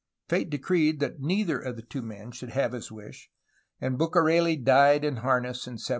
Fate decreed that neither of the two men should have his wish, and Bucareli died in harness in 1779.